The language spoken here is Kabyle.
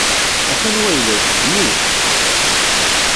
A-t-an wayla-k, ddem-it!